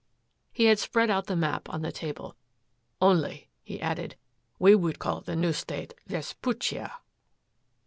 He had spread out the map on the table. "Only," he added, "we would call the new state, Vespuccia."